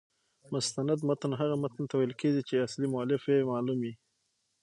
مستند متن هغه متن ته ویل کیږي، چي اصلي مؤلف يې معلوم يي.